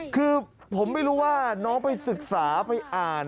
คือผมไม่รู้ว่าน้องไปศึกษาไปอ่าน